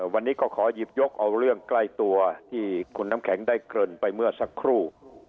วันนี้ก็ขอหยิบยกเอาเรื่องใกล้ตัวที่คุณน้ำแข็งได้เกริ่นไปเมื่อสักครู่